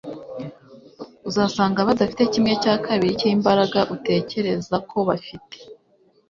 Uzasanga badafite kimwe cya kabiri cy'imbaraga utekereza ko bafite. ”